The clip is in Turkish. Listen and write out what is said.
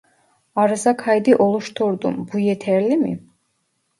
Arıza kaydı oluşturdum bu yeterli mi ?